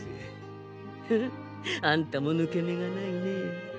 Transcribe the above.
フフッあんたもぬけ目がないねえ。